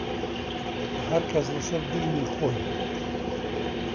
هەرکەس لەسەر دینی خۆی!